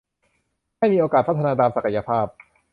ให้มีโอกาสพัฒนาตามศักยภาพ